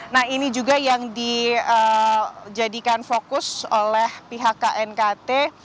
nah ini juga yang dijadikan fokus oleh pihak knkt